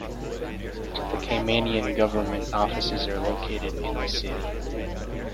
The Caymanian government offices are located in the city.